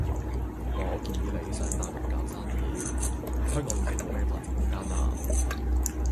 我建議你上大陸搞生意，香港已經冇咩發展空間喇。